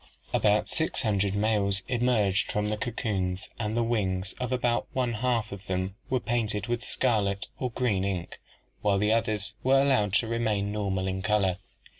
"About six hun dred males emerged from the cocoons and the wings of about one half of them were painted with scarlet or green ink, while the others were allowed to remain normal in color.